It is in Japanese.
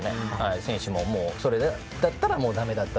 選手もそれだったら、だめだなって。